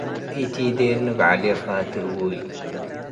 ኢቲዴኒ በዐልዬ ፋቲ እቡይ